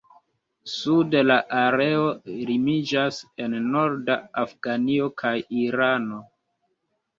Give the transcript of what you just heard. Sude la areo limiĝas en norda Afganio kaj Irano.